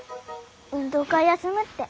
運動会休むって。